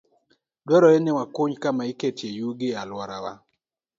Dwarore ni wakuny kama iketie yugi e alworawa.